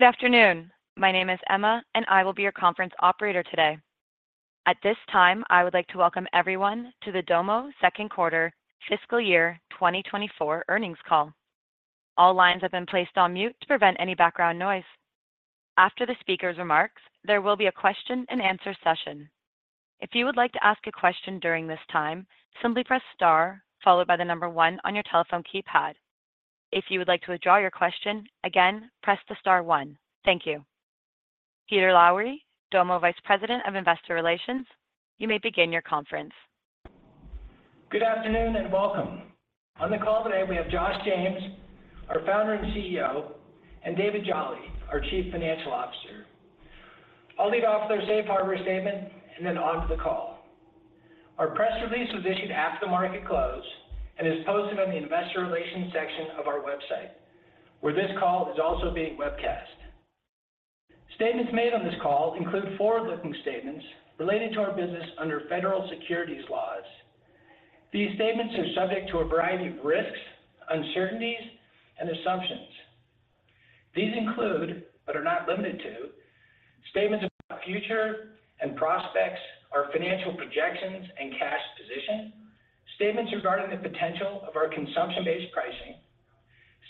Good afternoon. My name is Emma, and I will be your conference operator today. At this time, I would like to welcome everyone to the Domo Second Quarter Fiscal Year 2024 earnings call. All lines have been placed on mute to prevent any background noise. After the speaker's remarks, there will be a question and answer session. If you would like to ask a question during this time, simply press star, followed by the number one on your telephone keypad. If you would like to withdraw your question, again, press the star one. Thank you. Peter Lowry, Domo Vice President of Investor Relations, you may begin your conference. Good afternoon, and welcome. On the call today, we have Josh James, our founder and CEO, and David Jolley, our Chief Financial Officer. I'll lead off with our safe harbor statement and then on to the call. Our press release was issued after the market closed and is posted on the investor relations section of our website, where this call is also being webcast. Statements made on this call include forward-looking statements related to our business under federal securities laws. These statements are subject to a variety of risks, uncertainties, and assumptions. These include, but are not limited to, statements about future and prospects, our financial projections and cash position, statements regarding the potential of our consumption-based pricing,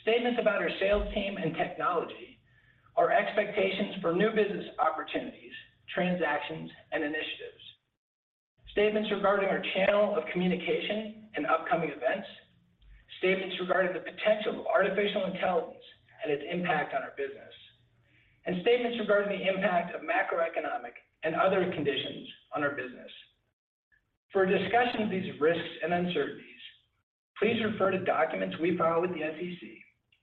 statements about our sales team and technology, our expectations for new business opportunities, transactions, and initiatives. Statements regarding our channel of communication and upcoming events, statements regarding the potential of artificial intelligence and its impact on our business, and statements regarding the impact of macroeconomic and other conditions on our business. For a discussion of these risks and uncertainties, please refer to documents we file with the SEC.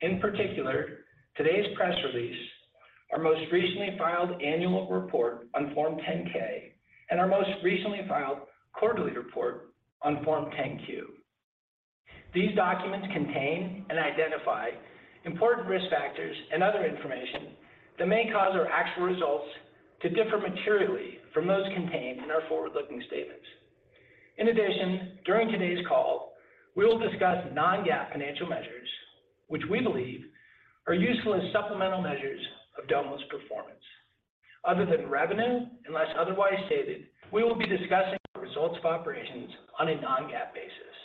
In particular, today's press release, our most recently filed annual report on Form 10-K, and our most recently filed quarterly report on Form 10-Q. These documents contain and identify important risk factors and other information that may cause our actual results to differ materially from those contained in our forward-looking statements. In addition, during today's call, we will discuss non-GAAP financial measures, which we believe are useful as supplemental measures of Domo's performance. Other than revenue, unless otherwise stated, we will be discussing results of operations on a non-GAAP basis.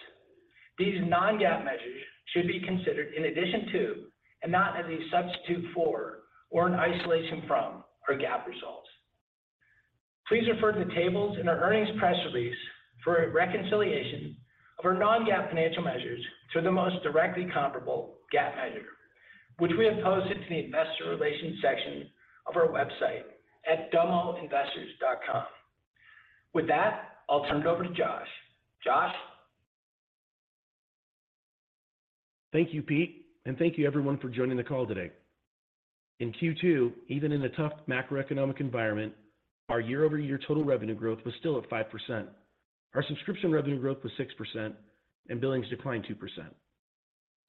These non-GAAP measures should be considered in addition to, and not as a substitute for or an isolation from, our GAAP results. Please refer to the tables in our earnings press release for a reconciliation of our non-GAAP financial measures to the most directly comparable GAAP measure, which we have posted to the investor relations section of our website at investors.domo.com. With that, I'll turn it over to Josh. Josh? Thank you, Pete, and thank you everyone for joining the call today. In Q2, even in a tough macroeconomic environment, our year-over-year total revenue growth was still at 5%. Our subscription revenue growth was 6%, and billings declined 2%.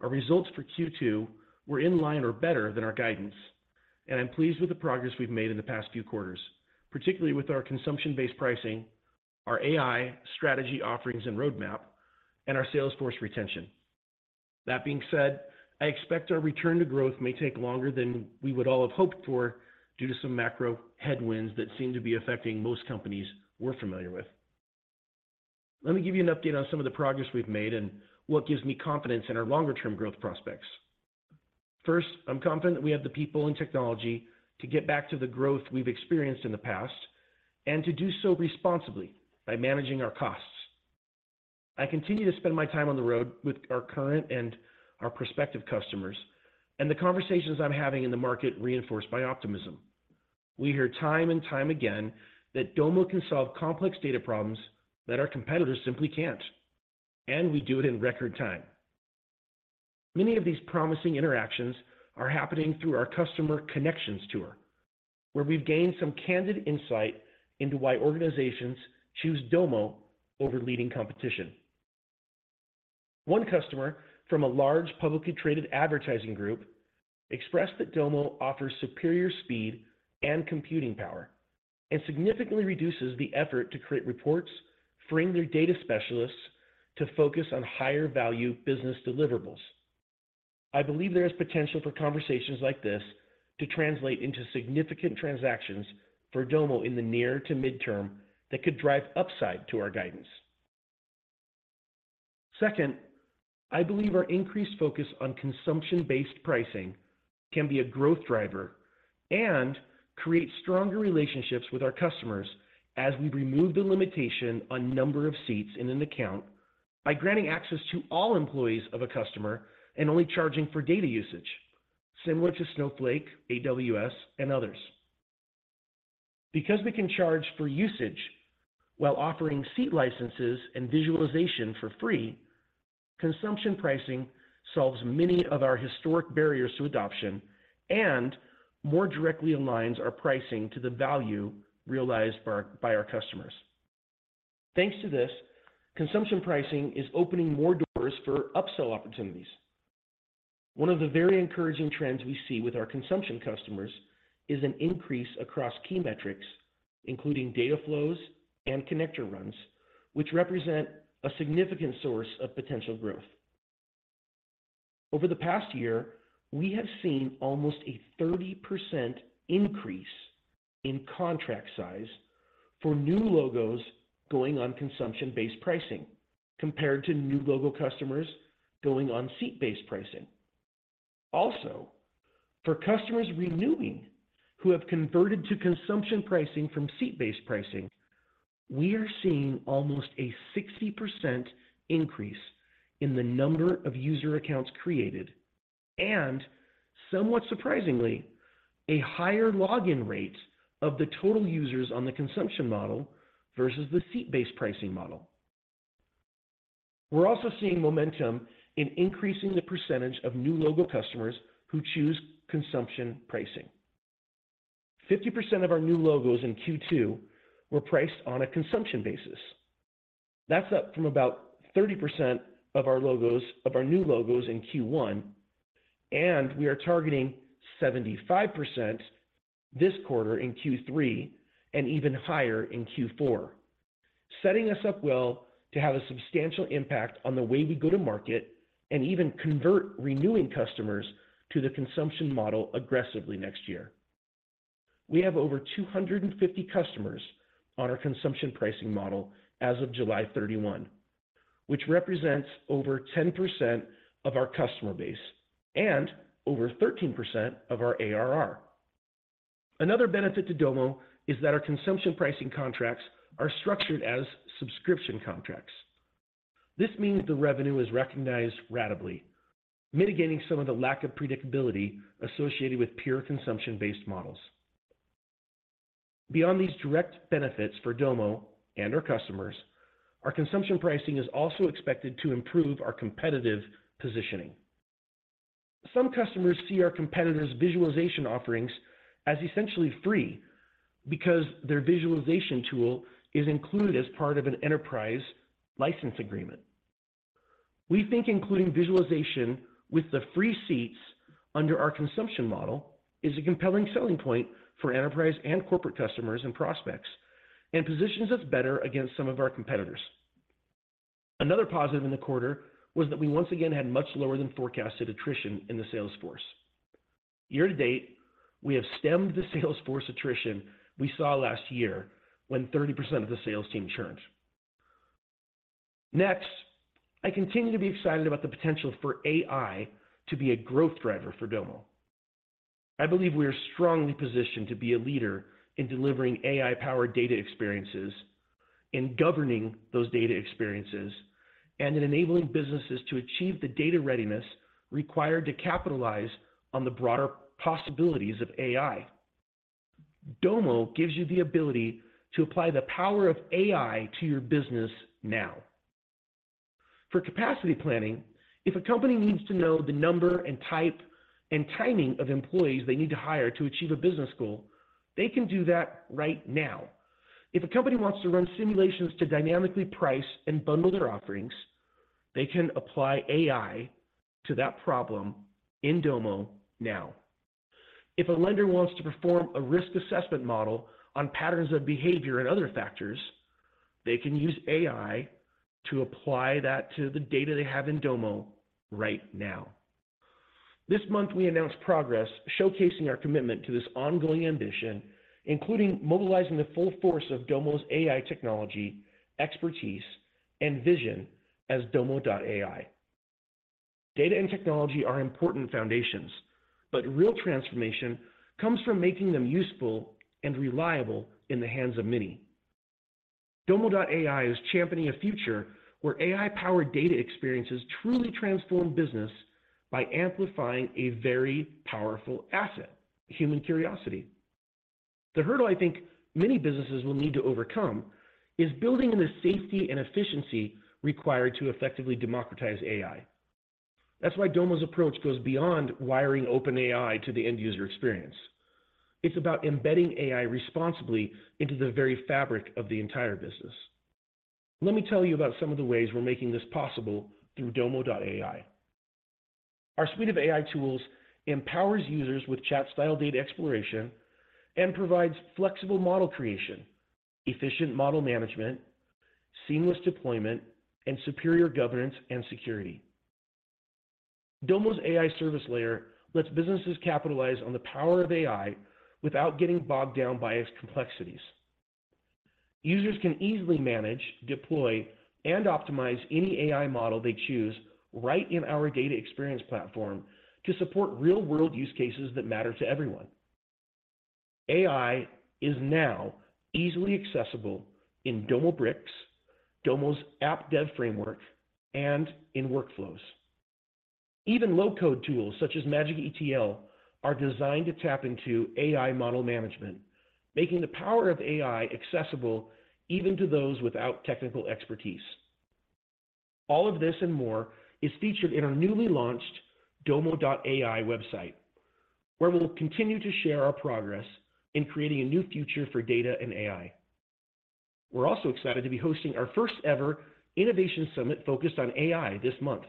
Our results for Q2 were in line or better than our guidance, and I'm pleased with the progress we've made in the past few quarters, particularly with our consumption-based pricing, our AI strategy offerings and roadmap, and our sales force retention. That being said, I expect our return to growth may take longer than we would all have hoped for due to some macro headwinds that seem to be affecting most companies we're familiar with. Let me give you an update on some of the progress we've made and what gives me confidence in our longer-term growth prospects. First, I'm confident we have the people and technology to get back to the growth we've experienced in the past, and to do so responsibly by managing our costs. I continue to spend my time on the road with our current and our prospective customers, and the conversations I'm having in the market reinforced by optimism. We hear time and time again that Domo can solve complex data problems that our competitors simply can't, and we do it in record time. Many of these promising interactions are happening through our Customer Connections Tour, where we've gained some candid insight into why organizations choose Domo over leading competition. One customer from a large publicly traded advertising group expressed that Domo offers superior speed and computing power, and significantly reduces the effort to create reports, freeing their data specialists to focus on higher value business deliverables. I believe there is potential for conversations like this to translate into significant transactions for Domo in the near to midterm that could drive upside to our guidance. Second, I believe our increased focus on consumption-based pricing can be a growth driver and create stronger relationships with our customers as we remove the limitation on number of seats in an account by granting access to all employees of a customer and only charging for data usage, similar to Snowflake, AWS, and others. Because we can charge for usage while offering seat licenses and visualization for free, consumption pricing solves many of our historic barriers to adoption and more directly aligns our pricing to the value realized by our, by our customers. Thanks to this, consumption pricing is opening more doors for upsell opportunities. One of the very encouraging trends we see with our consumption customers is an increase across key metrics, including data flows and connector runs, which represent a significant source of potential growth. Over the past year, we have seen almost a 30% increase in contract size for new logos going on consumption-based pricing, compared to new logo customers going on seat-based pricing. Also, for customers renewing who have converted to consumption pricing from seat-based pricing, we are seeing almost a 60% increase in the number of user accounts created, and somewhat surprisingly, a higher login rate of the total users on the consumption model versus the seat-based pricing model. We're also seeing momentum in increasing the percentage of new logo customers who choose consumption pricing. 50% of our new logos in Q2 were priced on a consumption basis. That's up from about 30% of our logos, of our new logos in Q1, and we are targeting 75% this quarter in Q3 and even higher in Q4, setting us up well to have a substantial impact on the way we go to market and even convert renewing customers to the consumption model aggressively next year. We have over 250 customers on our consumption pricing model as of July 31, which represents over 10% of our customer base and over 13% of our ARR. Another benefit to Domo is that our consumption pricing contracts are structured as subscription contracts. This means the revenue is recognized ratably, mitigating some of the lack of predictability associated with pure consumption-based models. Beyond these direct benefits for Domo and our customers, our consumption pricing is also expected to improve our competitive positioning. Some customers see our competitors' visualization offerings as essentially free because their visualization tool is included as part of an enterprise license agreement. We think including visualization with the free seats under our consumption model is a compelling selling point for enterprise and corporate customers and prospects, and positions us better against some of our competitors. Another positive in the quarter was that we once again had much lower than forecasted attrition in the sales force. Year to date, we have stemmed the sales force attrition we saw last year when 30% of the sales team churned. Next, I continue to be excited about the potential for AI to be a growth driver for Domo. I believe we are strongly positioned to be a leader in delivering AI-powered data experiences, in governing those data experiences, and in enabling businesses to achieve the data readiness required to capitalize on the broader possibilities of AI. Domo gives you the ability to apply the power of AI to your business now. For capacity planning, if a company needs to know the number, and type, and timing of employees they need to hire to achieve a business goal, they can do that right now. If a company wants to run simulations to dynamically price and bundle their offerings, they can apply AI to that problem in Domo now. If a lender wants to perform a risk assessment model on patterns of behavior and other factors, they can use AI to apply that to the data they have in Domo right now. This month, we announced progress, showcasing our commitment to this ongoing ambition, including mobilizing the full force of Domo's AI technology, expertise, and vision as Domo.AI. Data and technology are important foundations, but real transformation comes from making them useful and reliable in the hands of many. Domo.AI is championing a future where AI-powered data experiences truly transform business by amplifying a very powerful asset, human curiosity. The hurdle I think many businesses will need to overcome is building the safety and efficiency required to effectively democratize AI. That's why Domo's approach goes beyond wiring OpenAI to the end-user experience. It's about embedding AI responsibly into the very fabric of the entire business. Let me tell you about some of the ways we're making this possible through Domo.AI. Our suite of AI tools empowers users with chat style data exploration and provides flexible model creation, efficient model management, seamless deployment, and superior governance and security. Domo's AI service layer lets businesses capitalize on the power of AI without getting bogged down by its complexities. Users can easily manage, deploy, and optimize any AI model they choose right in our data experience platform to support real-world use cases that matter to everyone. AI is now easily accessible in Domo Bricks, Domo's App Dev framework, and in workflows. Even low-code tools, such as Magic ETL, are designed to tap into AI model management, making the power of AI accessible even to those without technical expertise. All of this and more is featured in our newly launched Domo.AI website, where we'll continue to share our progress in creating a new future for data and AI. We're also excited to be hosting our first-ever innovation summit focused on AI this month,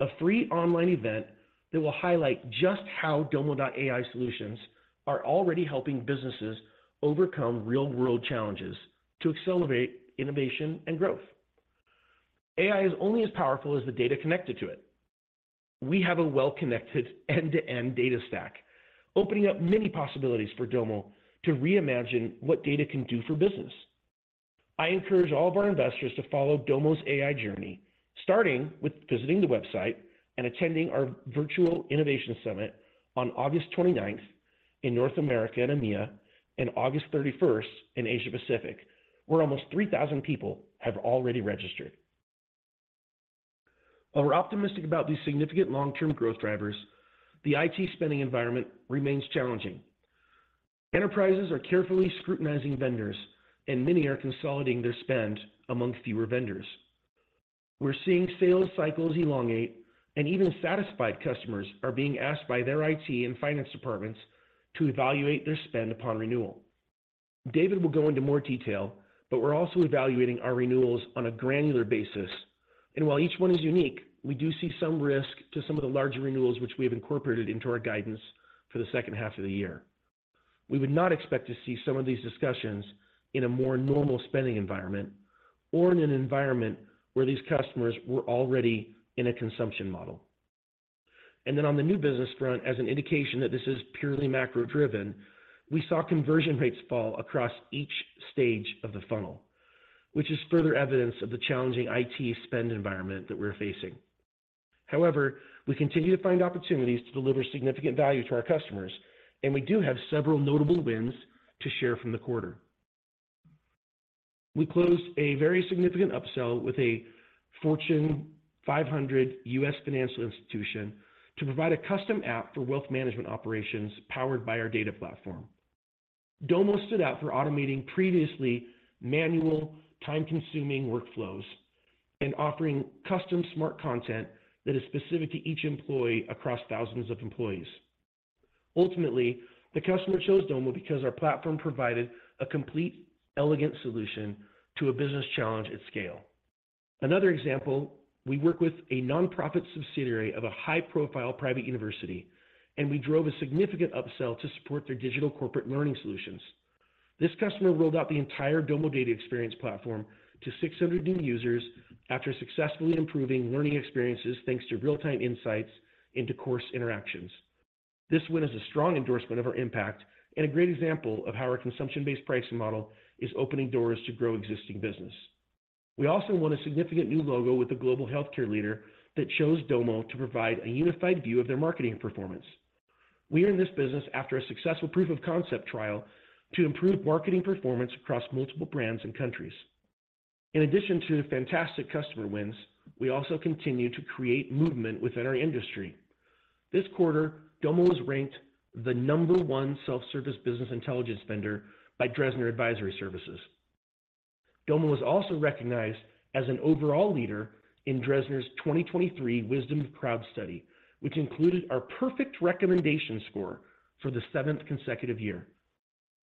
a free online event that will highlight just how Domo.AI solutions are already helping businesses overcome real-world challenges to accelerate innovation and growth. AI is only as powerful as the data connected to it. We have a well-connected end-to-end data stack, opening up many possibilities for Domo to reimagine what data can do for business. I encourage all of our investors to follow Domo's AI journey, starting with visiting the website and attending our Virtual Innovation Summit on August 29th in North America and EMEA, and August 31st in Asia Pacific, where almost 3,000 people have already registered. While we're optimistic about these significant long-term growth drivers, the IT spending environment remains challenging. Enterprises are carefully scrutinizing vendors, and many are consolidating their spend among fewer vendors. We're seeing sales cycles elongate, and even satisfied customers are being asked by their IT and finance departments to evaluate their spend upon renewal. David will go into more detail, but we're also evaluating our renewals on a granular basis, and while each one is unique, we do see some risk to some of the larger renewals, which we have incorporated into our guidance for the second half of the year. We would not expect to see some of these discussions in a more normal spending environment or in an environment where these customers were already in a consumption model. And then on the new business front, as an indication that this is purely macro-driven, we saw conversion rates fall across each stage of the funnel, which is further evidence of the challenging IT spend environment that we're facing. However, we continue to find opportunities to deliver significant value to our customers, and we do have several notable wins to share from the quarter. We closed a very significant upsell with a Fortune 500 US financial institution to provide a custom app for wealth management operations, powered by our data platform. Domo stood out for automating previously manual, time-consuming workflows and offering custom smart content that is specific to each employee across thousands of employees. Ultimately, the customer chose Domo because our platform provided a complete, elegant solution to a business challenge at scale. Another example, we work with a nonprofit subsidiary of a high-profile private university, and we drove a significant upsell to support their digital corporate learning solutions. This customer rolled out the entire Domo Data Experience platform to 600 new users after successfully improving learning experiences, thanks to real-time insights into course interactions. This win is a strong endorsement of our impact and a great example of how our consumption-based pricing model is opening doors to grow existing business. We also won a significant new logo with a global healthcare leader that chose Domo to provide a unified view of their marketing performance. We are in this business after a successful proof of concept trial to improve marketing performance across multiple brands and countries. In addition to the fantastic customer wins, we also continue to create movement within our industry. This quarter, Domo was ranked the number one self-service business intelligence vendor by Dresner Advisory Services. Domo was also recognized as an overall leader in Dresner's 2023 Wisdom of Crowds study, which included our perfect recommendation score for the seventh consecutive year.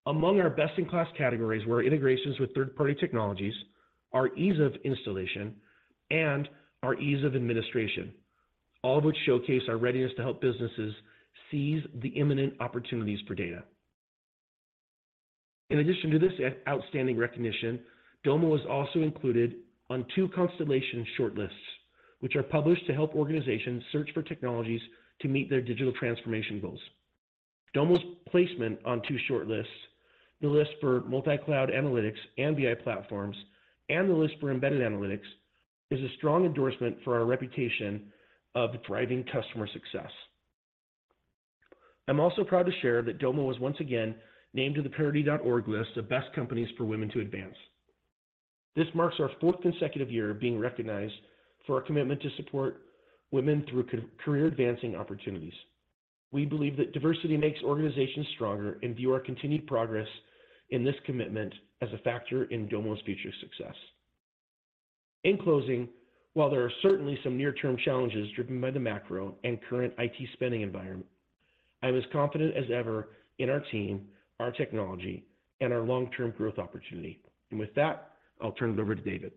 Among our best-in-class categories were integrations with third-party technologies, our ease of installation, and our ease of administration, all of which showcase our readiness to help businesses seize the imminent opportunities for data. In addition to this outstanding recognition, Domo was also included on two Constellation ShortLists, which are published to help organizations search for technologies to meet their digital transformation goals. Domo's placement on two shortlists, the list for multi-cloud analytics and BI platforms, and the list for embedded analytics, is a strong endorsement for our reputation of driving customer success. I'm also proud to share that Domo was once again named to the Parity.org list of Best Companies for Women to Advance. This marks our fourth consecutive year of being recognized for our commitment to support women through career advancing opportunities. We believe that diversity makes organizations stronger and view our continued progress in this commitment as a factor in Domo's future success. In closing, while there are certainly some near-term challenges driven by the macro and current IT spending environment, I'm as confident as ever in our team, our technology, and our long-term growth opportunity. With that, I'll turn it over to David.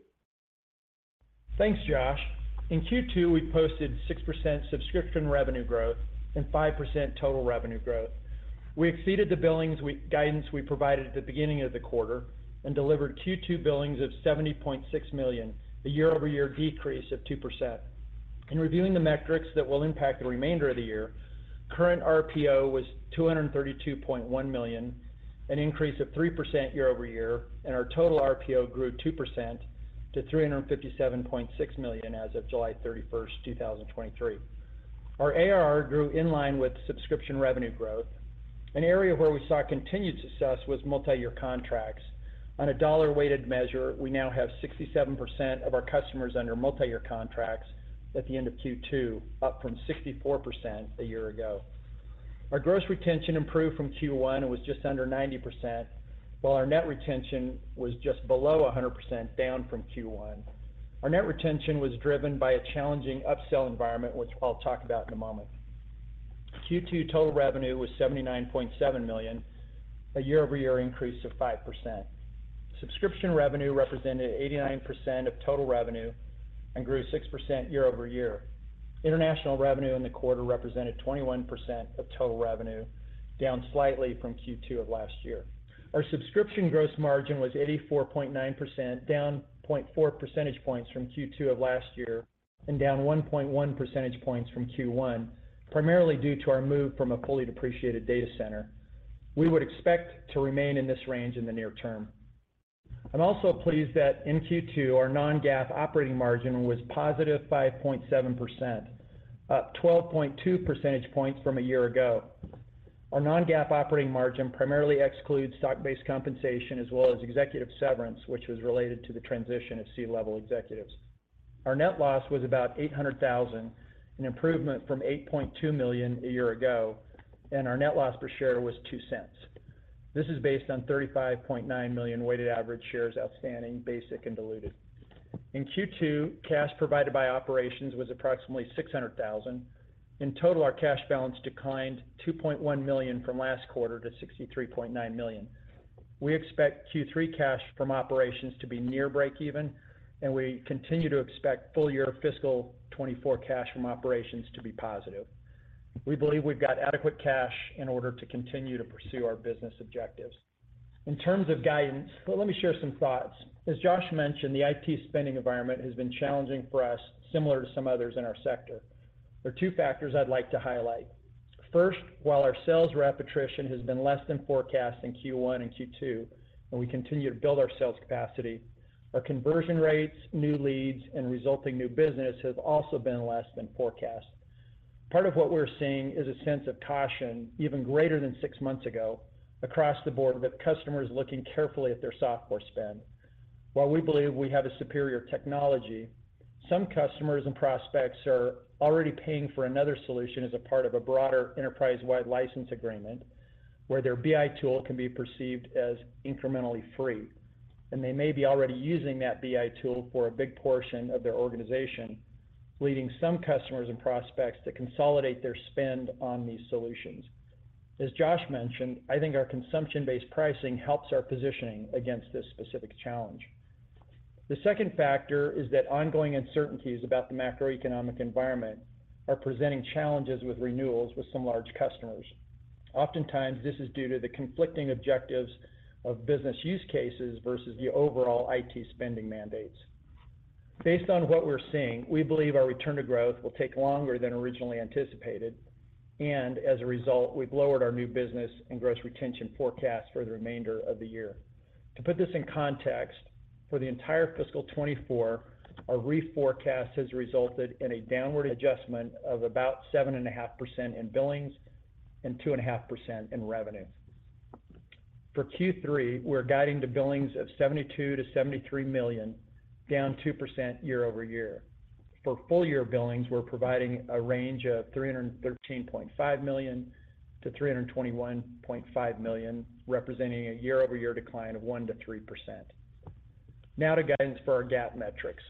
Thanks, Josh. In Q2, we posted 6% subscription revenue growth and 5% total revenue growth. We exceeded the billings guidance we provided at the beginning of the quarter and delivered Q2 billings of $70.6 million, a year-over-year decrease of 2%. In reviewing the metrics that will impact the remainder of the year, current RPO was $232.1 million, an increase of 3% year-over-year, and our total RPO grew 2% to $357.6 million as of July 31st, 2023. Our ARR grew in line with subscription revenue growth. An area where we saw continued success was multi-year contracts. On a dollar-weighted measure, we now have 67% of our customers under multi-year contracts at the end of Q2, up from 64% a year ago. Our gross retention improved from Q1 and was just under 90%, while our net retention was just below 100%, down from Q1. Our net retention was driven by a challenging upsell environment, which I'll talk about in a moment. Q2 total revenue was $79.7 million, a year-over-year increase of 5%. Subscription revenue represented 89% of total revenue and grew 6% year-over-year. International revenue in the quarter represented 21% of total revenue, down slightly from Q2 of last year. Our subscription gross margin was 84.9%, down 0.4 percentage points from Q2 of last year, and down 1.1 percentage points from Q1, primarily due to our move from a fully depreciated data center. We would expect to remain in this range in the near term. I'm also pleased that in Q2, our non-GAAP operating margin was positive 5.7%, up 12.2 percentage points from a year ago. Our non-GAAP operating margin primarily excludes stock-based compensation as well as executive severance, which was related to the transition of C-level executives. Our net loss was about $800,000, an improvement from $8.2 million a year ago, and our net loss per share was $0.02. This is based on 35.9 million weighted average shares outstanding, basic and diluted. In Q2, cash provided by operations was approximately $600,000. In total, our cash balance declined $2.1 million from last quarter to $63.9 million. We expect Q3 cash from operations to be near breakeven, and we continue to expect full year fiscal 2024 cash from operations to be positive. We believe we've got adequate cash in order to continue to pursue our business objectives. In terms of guidance, well, let me share some thoughts. As Josh mentioned, the IT spending environment has been challenging for us, similar to some others in our sector. There are two factors I'd like to highlight. First, while our sales rep attrition has been less than forecast in Q1 and Q2, and we continue to build our sales capacity, our conversion rates, new leads, and resulting new business has also been less than forecast. Part of what we're seeing is a sense of caution, even greater than six months ago, across the board, with customers looking carefully at their software spend. While we believe we have a superior technology, some customers and prospects are already paying for another solution as a part of a broader enterprise-wide license agreement, where their BI tool can be perceived as incrementally free. They may be already using that BI tool for a big portion of their organization, leading some customers and prospects to consolidate their spend on these solutions. As Josh mentioned, I think our consumption-based pricing helps our positioning against this specific challenge. The second factor is that ongoing uncertainties about the macroeconomic environment are presenting challenges with renewals with some large customers. Oftentimes, this is due to the conflicting objectives of business use cases versus the overall IT spending mandates. Based on what we're seeing, we believe our return to growth will take longer than originally anticipated, and as a result, we've lowered our new business and gross retention forecast for the remainder of the year. To put this in context, for the entire fiscal 2024, our reforecast has resulted in a downward adjustment of about 7.5% in billings and 2.5% in revenue. For Q3, we're guiding the billings of $72 million-$73 million, down 2% year-over-year. For full year billings, we're providing a range of $313.5 million-$321.5 million, representing a year-over-year decline of 1% - 3%. Now to guidance for our GAAP metrics.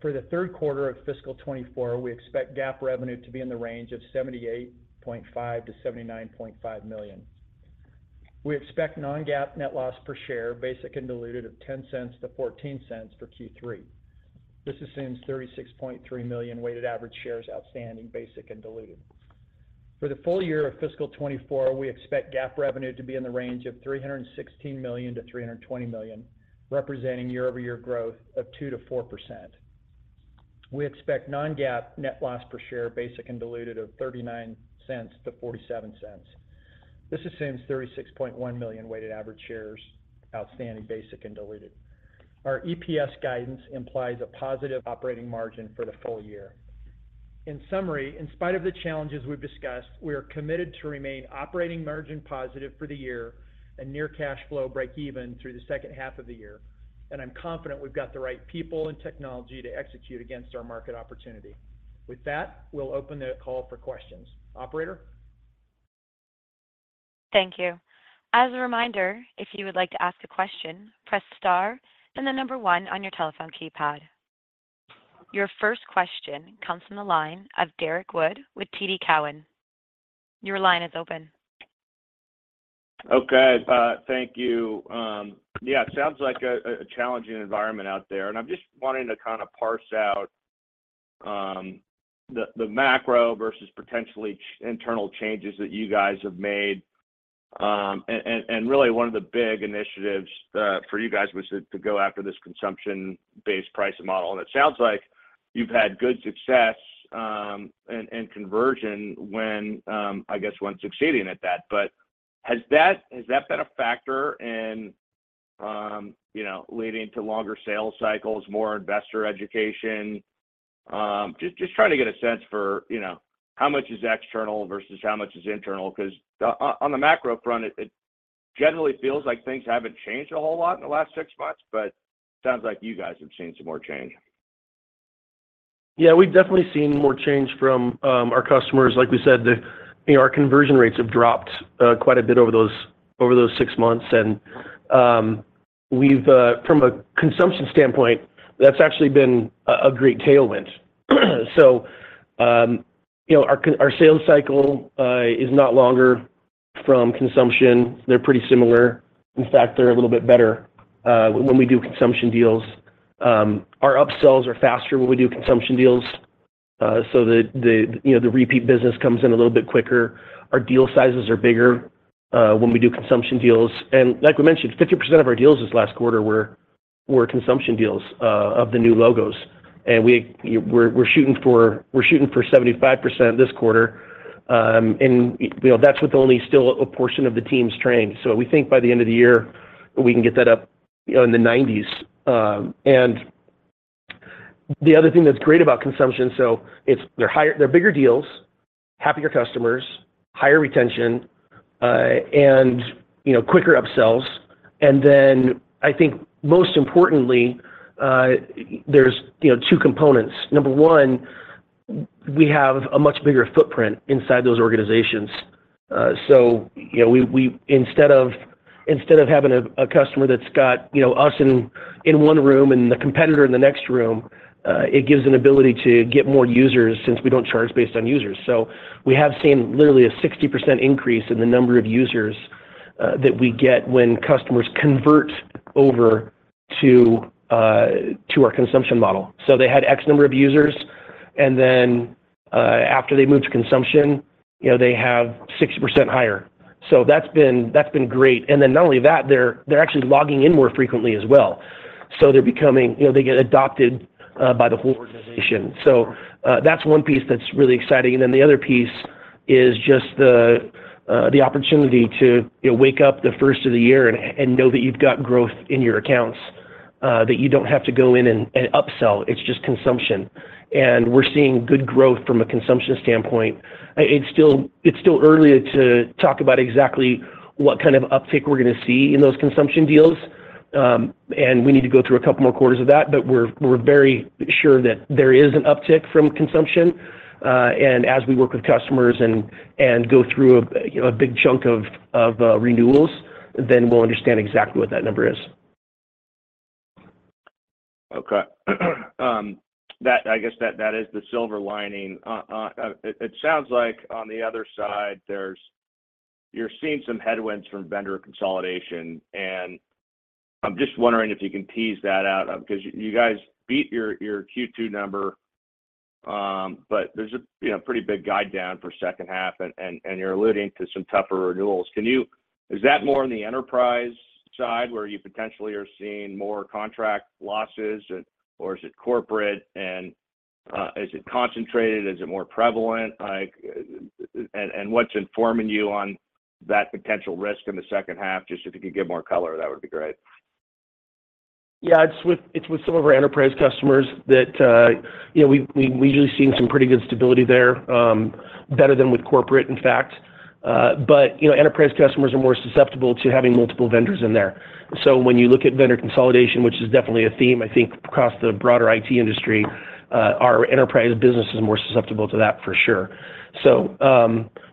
For the Q3 of fiscal 2024, we expect GAAP revenue to be in the range of $78.5 million-$79.5 million. We expect non-GAAP net loss per share, basic and diluted, of $0.10-$0.14 for Q3. This assumes 36.3 million weighted average shares, outstanding, basic and diluted. For the full year of fiscal 2024, we expect GAAP revenue to be in the range of $316 million-$320 million, representing year-over-year growth of 2% - 4%. We expect non-GAAP net loss per share, basic and diluted, of $0.39-$0.47. This assumes 36.1 million weighted average shares, outstanding, basic and diluted. Our EPS guidance implies a positive operating margin for the full year. In summary, in spite of the challenges we've discussed, we are committed to remain operating margin positive for the year and near cash flow breakeven through the second half of the year, and I'm confident we've got the right people and technology to execute against our market opportunity. With that, we'll open the call for questions. Operator? Thank you. As a reminder, if you would like to ask a question, press Star, then one on your telephone keypad. Your first question comes from the line of Derek Wood with TD Cowen. Your line is open. Okay, thank you. Yeah, it sounds like a challenging environment out there, and I'm just wanting to kind of parse out the macro versus potentially internal changes that you guys have made. And really one of the big initiatives for you guys was to go after this consumption-based pricing model. And it sounds like you've had good success and conversion when I guess when succeeding at that. But has that been a factor in you know leading to longer sales cycles, more investor education? Just trying to get a sense for, you know, how much is external versus how much is internal, 'cause on the macro front, it generally feels like things haven't changed a whole lot in the last six months, but it sounds like you guys have seen some more change. Yeah, we've definitely seen more change from our customers. Like we said, you know, our conversion rates have dropped quite a bit over those six months. And from a consumption standpoint, that's actually been a great tailwind. So, you know, our sales cycle is not longer from consumption. They're pretty similar. In fact, they're a little bit better when we do consumption deals. Our upsells are faster when we do consumption deals, so you know, the repeat business comes in a little bit quicker. Our deal sizes are bigger when we do consumption deals. And like we mentioned, 50% of our deals this last quarter were consumption deals of the new logos. And we're shooting for 75% this quarter. And, you know, that's with only still a portion of the teams trained. So we think by the end of the year, we can get that up, you know, in the 90s. And the other thing that's great about consumption, so it's—they're higher—they're bigger deals, happier customers, higher retention, and, you know, quicker upsells. And then, I think most importantly, there's, you know, two components. Number one, we have a much bigger footprint inside those organizations. So, you know, instead of having a customer that's got, you know, us in one room and the competitor in the next room, it gives an ability to get more users, since we don't charge based on users. So we have seen literally a 60% increase in the number of users that we get when customers convert over to our consumption model. So they had X number of users, and then after they move to consumption, you know, they have 60% higher. So that's been, that's been great. And then not only that, they're actually logging in more frequently as well. So they're becoming. You know, they get adopted by the whole organization. So that's one piece that's really exciting. And then the other piece is just the opportunity to, you know, wake up the first of the year and know that you've got growth in your accounts that you don't have to go in and upsell. It's just consumption. And we're seeing good growth from a consumption standpoint. It's still early to talk about exactly what kind of uptick we're gonna see in those consumption deals. And we need to go through a couple more quarters of that, but we're very sure that there is an uptick from consumption. And as we work with customers and go through, you know, a big chunk of renewals, then we'll understand exactly what that number is. Okay. I guess, that is the silver lining. It sounds like on the other side, you're seeing some headwinds from vendor consolidation, and I'm just wondering if you can tease that out. 'Cause you guys beat your Q2 number, but there's a, you know, pretty big guide down for second half, and you're alluding to some tougher renewals. Is that more on the enterprise side, where you potentially are seeing more contract losses? Or is it corporate? And is it concentrated? Is it more prevalent? Like, and what's informing you on that potential risk in the second half? Just if you could give more color, that would be great. Yeah, it's with some of our enterprise customers that, you know, we've usually seen some pretty good stability there, better than with corporate, in fact. But, you know, enterprise customers are more susceptible to having multiple vendors in there. So when you look at vendor consolidation, which is definitely a theme, I think, across the broader IT industry, our enterprise business is more susceptible to that, for sure. So,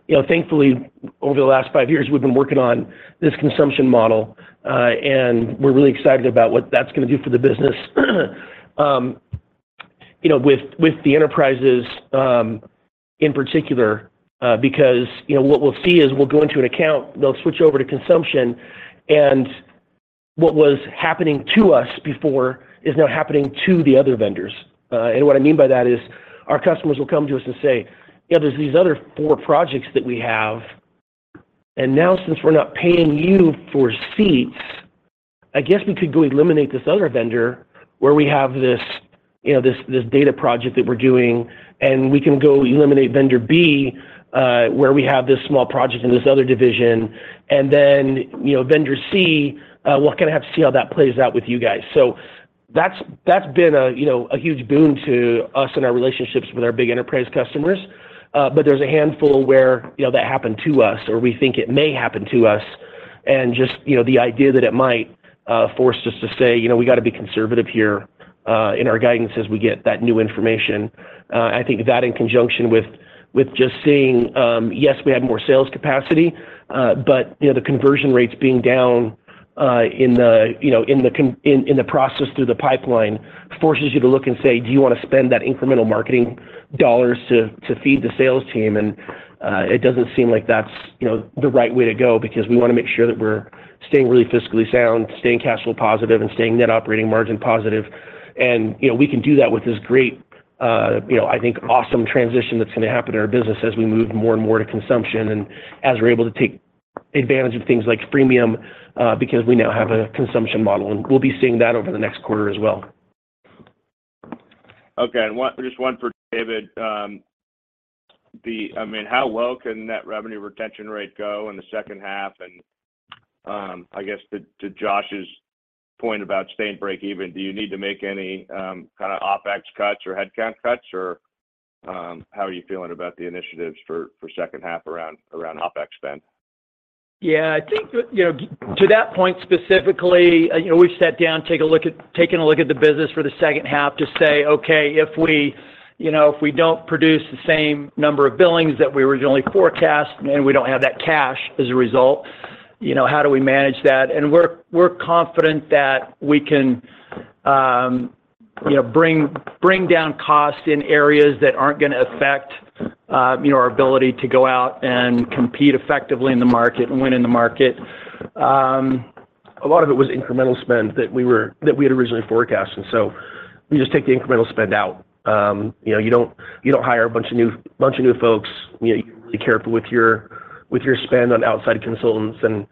you know, thankfully, over the last five years, we've been working on this consumption model, and we're really excited about what that's gonna do for the business. You know, with the enterprises, in particular, because, you know, what we'll see is we'll go into an account, they'll switch over to consumption, and what was happening to us before is now happening to the other vendors. And what I mean by that is, our customers will come to us and say, "Yeah, there's these other four projects that we have, and now, since we're not paying you for seats, I guess we could go eliminate this other vendor, where we have this, you know, this, this data project that we're doing, and we can go eliminate vendor B, where we have this small project in this other division. And then, you know, vendor C, we're gonna have to see how that plays out with you guys." So that's been a, you know, a huge boon to us and our relationships with our big enterprise customers. But there's a handful where, you know, that happened to us, or we think it may happen to us. And just, you know, the idea that it might force us to say, "You know, we gotta be conservative here in our guidance as we get that new information." I think that in conjunction with, with just seeing, yes, we had more sales capacity, but, you know, the conversion rates being down in the, you know, in the process through the pipeline, forces you to look and say, "Do you wanna spend that incremental marketing dollars to feed the sales team?" And it doesn't seem like that's, you know, the right way to go, because we wanna make sure that we're staying really fiscally sound, staying cash flow positive, and staying net operating margin positive. You know, we can do that with this great, you know, I think, awesome transition that's gonna happen in our business as we move more and more to consumption, and as we're able to take advantage of things like freemium, because we now have a consumption model, and we'll be seeing that over the next quarter as well. Okay. And one - just one for David. I mean, how well can net revenue retention rate go in the second half? And I guess to Josh's point about staying break even, do you need to make any kind of OpEx cuts or headcount cuts or how are you feeling about the initiatives for second half around OpEx spend? Yeah, I think, you know, to that point, specifically, you know, we've sat down, taking a look at the business for the second half to say, "Okay, if we, you know, if we don't produce the same number of billings that we originally forecast, and we don't have that cash as a result, you know, how do we manage that?" And we're confident that we can. You know, bring, bring down costs in areas that aren't gonna affect, you know, our ability to go out and compete effectively in the market and win in the market. A lot of it was incremental spend that we had originally forecasted. So we just take the incremental spend out. You know, you don't hire a bunch of new folks. You know, you be careful with your spend on outside consultants, and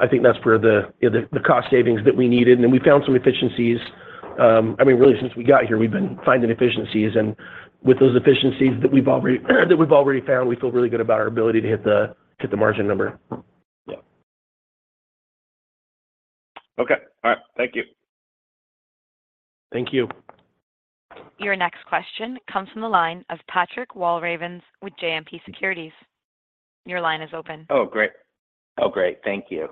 I think that's where, you know, the cost savings that we needed. And then we found some efficiencies. I mean, really, since we got here, we've been finding efficiencies, and with those efficiencies that we've already found, we feel really good about our ability to hit the margin number. Yeah. Okay. All right, thank you. Thank you. Your next question comes from the line of Patrick Walravens with JMP Securities. Your line is open. Oh, great. Oh, great, thank you.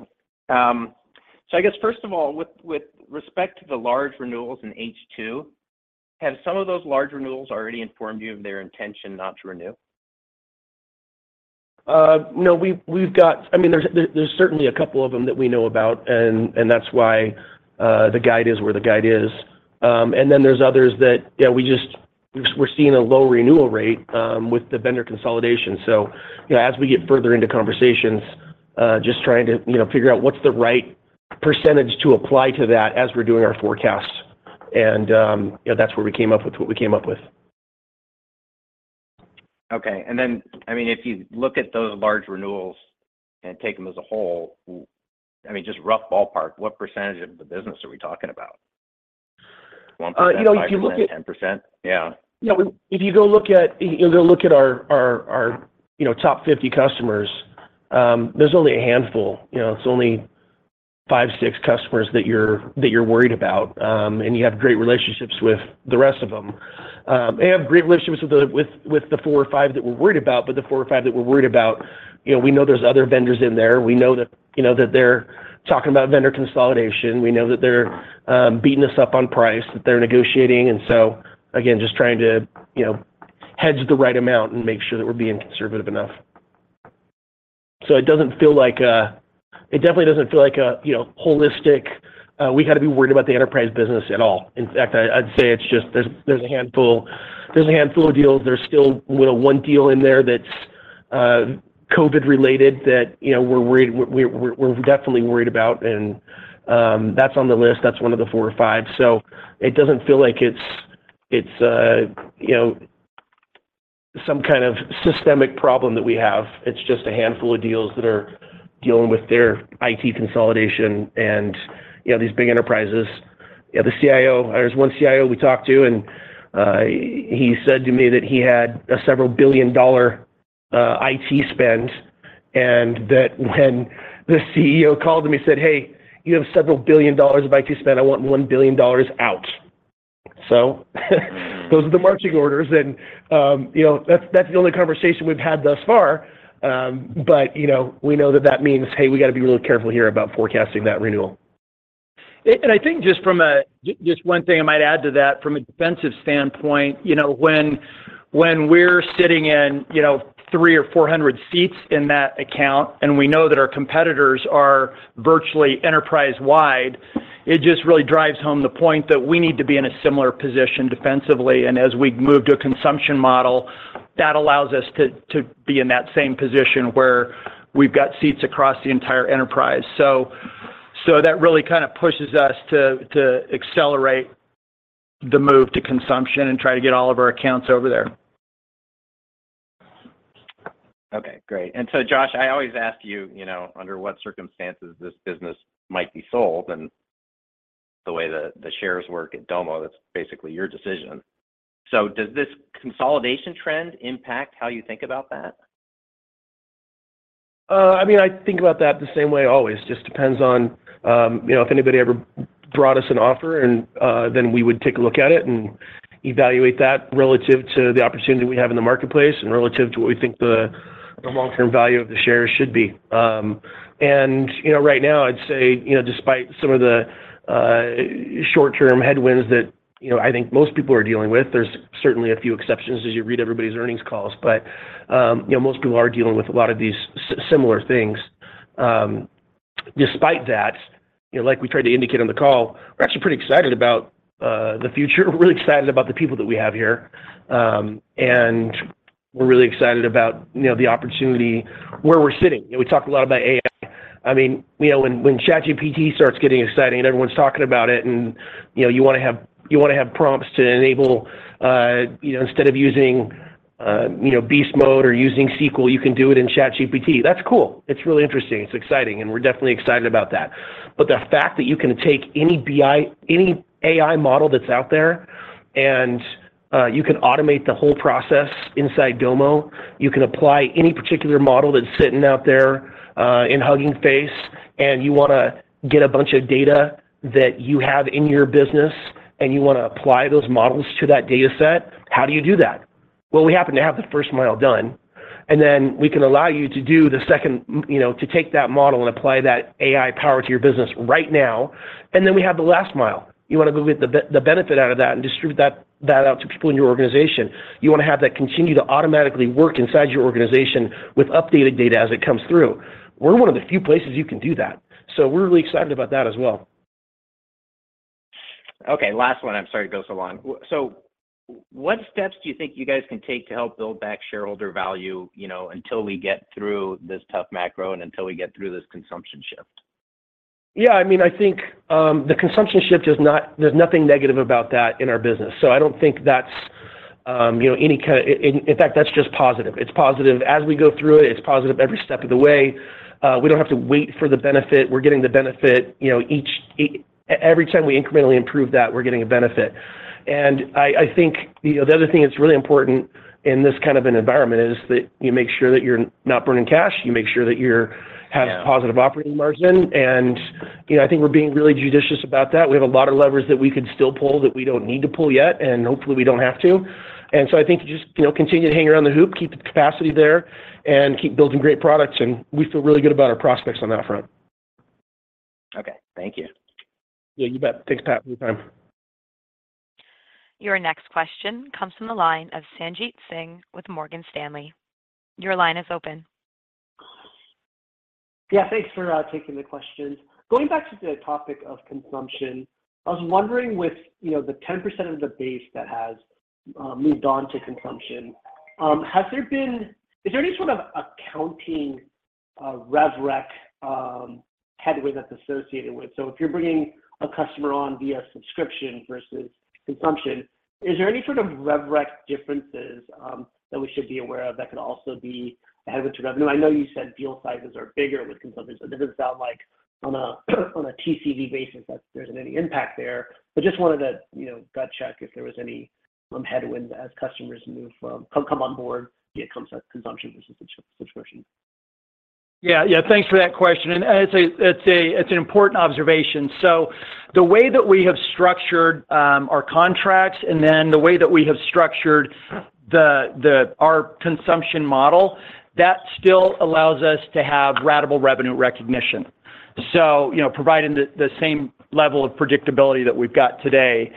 So I guess, first of all, with respect to the large renewals in H2, have some of those large renewals already informed you of their intention not to renew? No, we've got—I mean, there's certainly a couple of them that we know about, and that's why the guide is where the guide is. And then there's others that, yeah, we just—we're seeing a low renewal rate with the vendor consolidation. So, you know, as we get further into conversations, just trying to, you know, figure out what's the right percentage to apply to that as we're doing our forecast. And, you know, that's where we came up with what we came up with. Okay. And then, I mean, if you look at those large renewals and take them as a whole, I mean, just rough ballpark, what percentage of the business are we talking about? You know, if you look at- 1%, 5%, 10%? Yeah. You know, if you go look at our top 50 customers, there's only a handful. You know, it's only five, six customers that you're worried about, and you have great relationships with the rest of them. We have great relationships with the four or five that we're worried about, but the four or five that we're worried about, you know, we know there's other vendors in there. We know that, you know, that they're talking about vendor consolidation. We know that they're beating us up on price, that they're negotiating. And so, again, just trying to, you know, hedge the right amount and make sure that we're being conservative enough. So it doesn't feel like a it definitely doesn't feel like a, you know, holistic we gotta be worried about the enterprise business at all. In fact, I'd say it's just, there's a handful of deals. There's still, you know, one deal in there that's COVID-related, that, you know, we're definitely worried about, and that's on the list. That's one of the four or five. So it doesn't feel like it's, you know, some kind of systemic problem that we have. It's just a handful of deals that are dealing with their IT consolidation and, you know, these big enterprises. Yeah, the CIO, there's one CIO we talked to, and he said to me that he had a several billion dollar IT spend, and that when the CEO called him, he said, "Hey, you have several billion dollars of IT spend. I want $1 billion out." So, Mm. Those are the marching orders, and, you know, that's, that's the only conversation we've had thus far. But, you know, we know that that means, hey, we gotta be really careful here about forecasting that renewal. And I think just from a, just one thing I might add to that, from a defensive standpoint, you know, when we're sitting in, you know, 300 or 400 seats in that account, and we know that our competitors are virtually enterprise-wide, it just really drives home the point that we need to be in a similar position defensively. And as we move to a consumption model, that allows us to be in that same position where we've got seats across the entire enterprise. So that really kind of pushes us to accelerate the move to consumption and try to get all of our accounts over there. Okay, great. And so, Josh, I always ask you, you know, under what circumstances this business might be sold, and the way the, the shares work at Domo, that's basically your decision. So does this consolidation trend impact how you think about that? I mean, I think about that the same way always. Just depends on, you know, if anybody ever brought us an offer, and then we would take a look at it and evaluate that relative to the opportunity we have in the marketplace and relative to what we think the, the long-term value of the shares should be. And, you know, right now, I'd say, you know, despite some of the short-term headwinds that, you know, I think most people are dealing with, there's certainly a few exceptions as you read everybody's earnings calls, but, you know, most people are dealing with a lot of these similar things. Despite that, you know, like we tried to indicate on the call, we're actually pretty excited about the future. We're really excited about the people that we have here. And we're really excited about, you know, the opportunity where we're sitting. You know, we talk a lot about AI. I mean, you know, when ChatGPT starts getting exciting and everyone's talking about it, and, you know, you wanna have- you wanna have prompts to enable, you know, instead of using Beast Mode or using SQL, you can do it in ChatGPT. That's cool. It's really interesting, it's exciting, and we're definitely excited about that. But the fact that you can take any BI, any AI model that's out there, and you can automate the whole process inside Domo, you can apply any particular model that's sitting out there in Hugging Face, and you wanna get a bunch of data that you have in your business, and you wanna apply those models to that data set, how do you do that? Well, we happen to have the first mile done, and then we can allow you to do the second, you know, to take that model and apply that AI power to your business right now, and then we have the last mile. You wanna go get the benefit out of that and distribute that out to people in your organization. You wanna have that continue to automatically work inside your organization with updated data as it comes through. We're one of the few places you can do that, so we're really excited about that as well. Okay, last one. I'm sorry to go so long. So what steps do you think you guys can take to help build back shareholder value, you know, until we get through this tough macro and until we get through this consumption shift? Yeah, I mean, I think, the consumption shift is not. There's nothing negative about that in our business. So I don't think that's, you know, any—in fact, that's just positive. It's positive as we go through it, it's positive every step of the way. We don't have to wait for the benefit. We're getting the benefit, you know, each every time we incrementally improve that, we're getting a benefit. And I think, you know, the other thing that's really important in this kind of an environment is that you make sure that you're not burning cash, you make sure that you're- Yeah -have positive operating margin. You know, I think we're being really judicious about that. We have a lot of levers that we could still pull, that we don't need to pull yet, and hopefully, we don't have to. I think just, you know, continue to hang around the hoop, keep the capacity there, and keep building great products, and we feel really good about our prospects on that front. Okay, thank you. Yeah, you bet. Thanks, Pat, for your time. Your next question comes from the line of Sanjit Singh with Morgan Stanley. Your line is open. Yeah, thanks for taking the questions. Going back to the topic of consumption, I was wondering with, you know, the 10% of the base that has moved on to consumption, is there any sort of accounting, rev rec, headwind that's associated with? So if you're bringing a customer on via subscription versus consumption, is there any sort of rev rec differences that we should be aware of that could also be ahead of the revenue? I know you said deal sizes are bigger with consumption, so it doesn't sound like on a TCV basis, that there isn't any impact there. But just wanted to, you know, gut check if there was any headwinds as customers come on board via consumption versus subscription. Yeah, yeah. Thanks for that question, and it's an important observation. So the way that we have structured our contracts, and then the way that we have structured our consumption model, that still allows us to have ratable revenue recognition. So, you know, providing the same level of predictability that we've got today.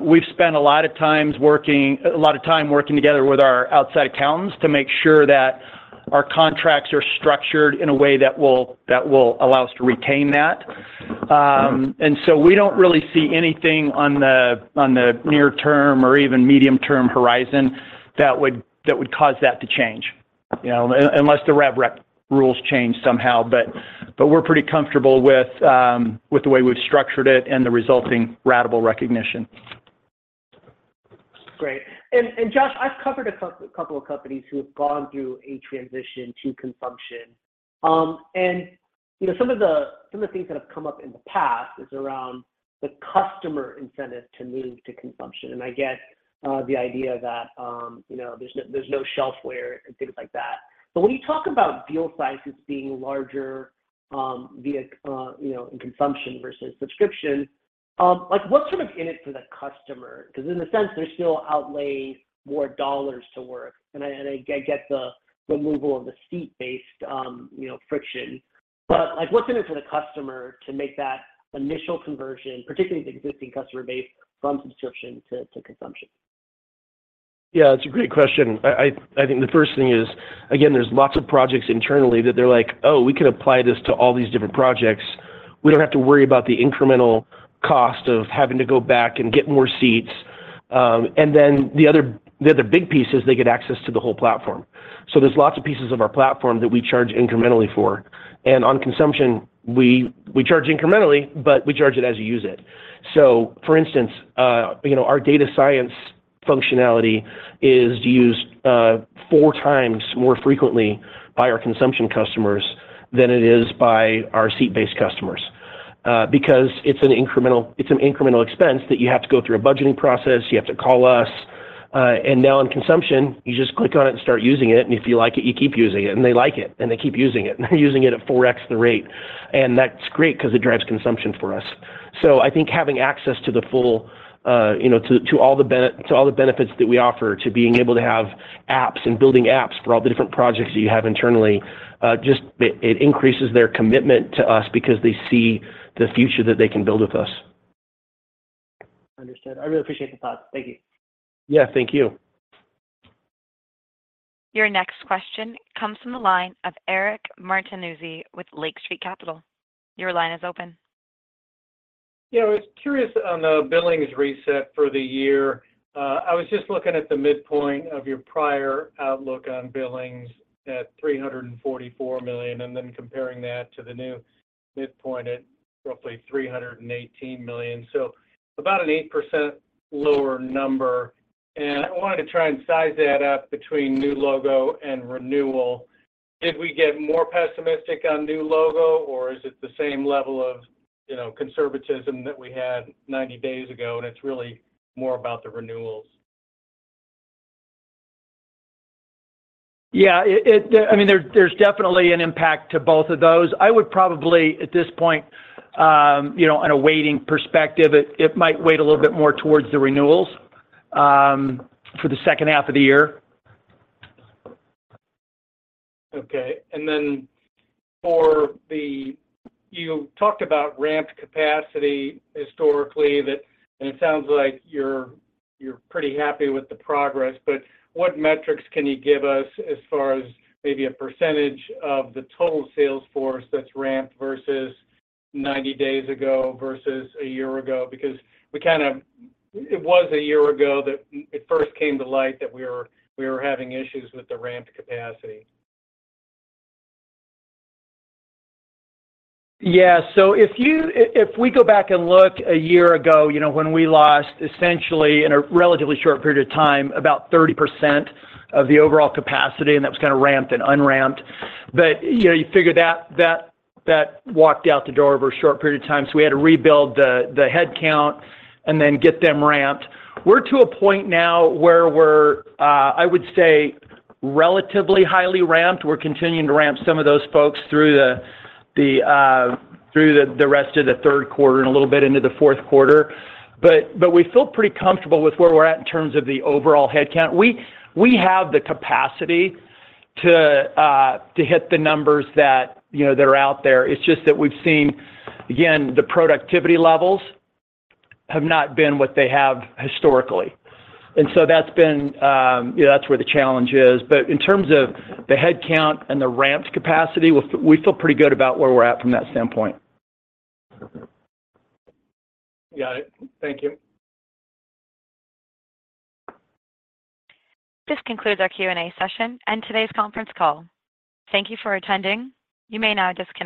We've spent a lot of time working together with our outside accountants to make sure that our contracts are structured in a way that will allow us to retain that. And so we don't really see anything on the near term or even medium-term horizon that would cause that to change. You know, unless the rev rec rules change somehow, but we're pretty comfortable with the way we've structured it and the resulting ratable recognition. Great. Josh, I've covered a couple of companies who have gone through a transition to consumption. You know, some of the things that have come up in the past is around the customer incentive to move to consumption. I get the idea that you know there's no shelfware, and things like that. But when you talk about deal sizes being larger via you know in consumption versus subscription, like, what's sort of in it for the customer? Because in a sense, they're still outlay more dollars up front, and I get the removal of the seat-based you know friction. But, like, what's in it for the customer to make that initial conversion, particularly the existing customer base, from subscription to consumption? Yeah, it's a great question. I think the first thing is, again, there's lots of projects internally that they're like, "Oh, we can apply this to all these different projects. We don't have to worry about the incremental cost of having to go back and get more seats." And then the other big piece is they get access to the whole platform. So there's lots of pieces of our platform that we charge incrementally for. And on consumption, we charge incrementally, but we charge it as you use it. So for instance, you know, our data science functionality is used four times more frequently by our consumption customers than it is by our seat-based customers. Because it's an incremental expense that you have to go through a budgeting process, you have to call us. And now on consumption, you just click on it and start using it, and if you like it, you keep using it. And they like it, and they keep using it, and they're using it at 4x the rate. And that's great because it drives consumption for us. So I think having access to the full, you know, to all the benefits that we offer, to being able to have apps and building apps for all the different projects that you have internally, just it increases their commitment to us because they see the future that they can build with us. Understood. I really appreciate the thought. Thank you. Yeah, thank you. Your next question comes from the line of Eric Martinuzzi with Lake Street Capital. Your line is open. Yeah, I was curious on the billings reset for the year. I was just looking at the midpoint of your prior outlook on billings at $344 million, and then comparing that to the new midpoint at roughly $318 million. So about an 8% lower number, and I wanted to try and size that up between new logo and renewal. Did we get more pessimistic on new logo, or is it the same level of, you know, conservatism that we had 90 days ago, and it's really more about the renewals? Yeah, it, I mean, there's definitely an impact to both of those. I would probably, at this point, you know, on a waiting perspective, it might wait a little bit more towards the renewals, for the second half of the year. Okay. Then you talked about ramped capacity historically, that, and it sounds like you're pretty happy with the progress, but what metrics can you give us as far as maybe a percentage of the total sales force that's ramped versus 90 days ago, versus a year ago? Because it was a year ago that it first came to light that we were having issues with the ramped capacity. Yeah, so if we go back and look a year ago, you know, when we lost essentially, in a relatively short period of time, about 30% of the overall capacity, and that was kind of ramped and unramped. But, you know, you figure that that walked out the door over a short period of time, so we had to rebuild the headcount and then get them ramped. We're to a point now where we're, I would say, relatively highly ramped. We're continuing to ramp some of those folks through the rest of the Q3 and a little bit into the Q4. But we feel pretty comfortable with where we're at in terms of the overall headcount. We have the capacity to hit the numbers that, you know, that are out there. It's just that we've seen, again, the productivity levels have not been what they have historically. And so that's been, that's where the challenge is. But in terms of the headcount and the ramped capacity, we feel pretty good about where we're at from that standpoint. Got it. Thank you. This concludes our Q&A session and today's conference call. Thank you for attending. You may now disconnect.